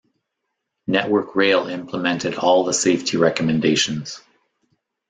Network Rail implemented all the safety recommendations.